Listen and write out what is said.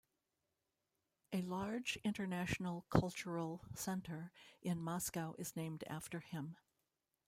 A large international cultural center in Moscow is named after him.